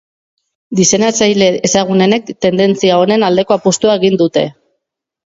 Diseinatzaile ezagunenek tendentzia honen aldeko apustua egin dute.